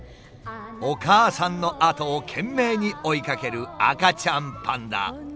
お母さんの後を懸命に追いかける赤ちゃんパンダ。